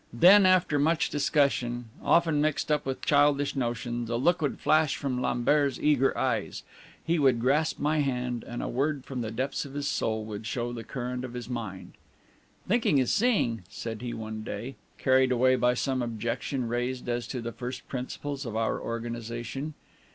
Then, after much discussion, often mixed up with childish notions, a look would flash from Lambert's eager eyes; he would grasp my hand, and a word from the depths of his soul would show the current of his mind. "Thinking is seeing," said he one day, carried away by some objection raised as to the first principles of our organization.